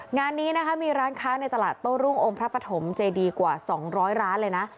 งานนี้นะคะมีร้านค้าในตลาดโต้รุ่งองค์พระปฐมเจดีกว่า๒๐๐ร้านเลยนะ